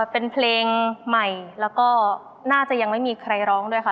เป็นเพลงใหม่แล้วก็น่าจะยังไม่มีใครร้องด้วยค่ะ